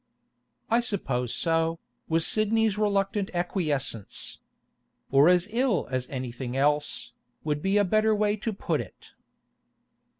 'I suppose so,' was Sidney's reluctant acquiescence. 'Or as ill as anything else, would be a better way to put it.